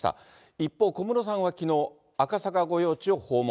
一方、小室さんはきのう、赤坂御用地を訪問。